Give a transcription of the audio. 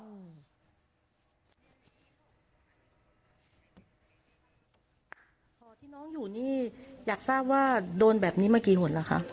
หอที่น้องอยู่นี่อยากทราบว่าโดนแบบนี้มากี่หนแล้วคะ